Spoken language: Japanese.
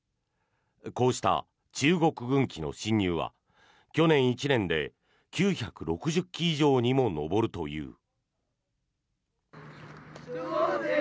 こうした中国軍機の進入は去年１年で９６０機以上にも上るという。